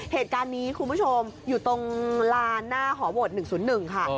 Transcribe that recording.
เหตุการณ์นี้คุณผู้ชมอยู่ตรงลานหน้าหอโหวต๑๐๑ค่ะ